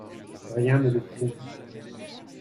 Rien ne le prouve.